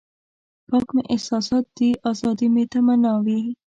پاک مې احساسات دي ازادي مې تمنا وي.